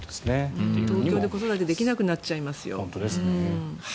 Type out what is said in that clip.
東京で子育てできなくなっちゃいますよ。